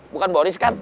bukan boris kan